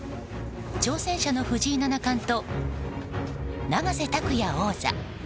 挑戦者の藤井七冠と永瀬拓矢王座。